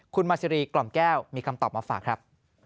คุณมาซีรีกล่อมแก้วมีคำตอบมาฝากครับ